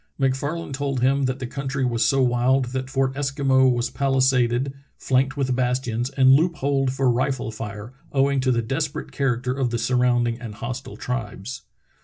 MacFarlane told him that the country was so wild that Fort Eskimo was palisaded, flanked with bastions, and loop holed for rifle fire, owing to the desperate character of the surrounding and hostile tribes.